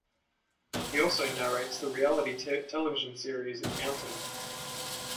He also narrates the reality television series "Mountain Men".